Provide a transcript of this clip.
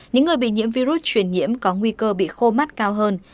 những người bị nhiễm virus truyền nhiễm có nguy cơ bị khô mắt cao hơn